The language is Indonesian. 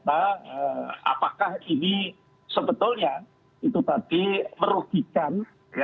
apakah ini sebetulnya itu tadi merugikan